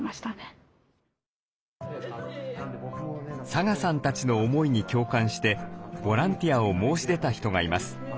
サガさんたちの思いに共感してボランティアを申し出た人がいます。